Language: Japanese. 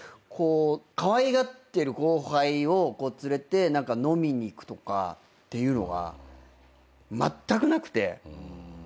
かわいがってる後輩を連れて飲みに行くとかっていうのがまったくなくて。